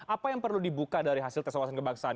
apa yang perlu dibuka dari hasil tes wawasan kebangsaan